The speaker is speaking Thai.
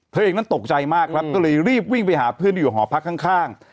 เธอเองนั้นตกใจมากครับก็เลยรีบวิ่งไปหาเพื่อนที่อยู่หอพักข้าง